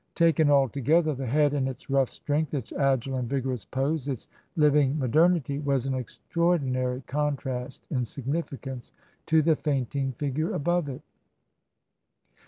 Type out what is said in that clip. Taken altogether, the head in its rough strength, its agile and vigorous pose, its S 86 TRANSITION. living modernity, was an extraordinary contrast in sig nificance to the fainting figure above it.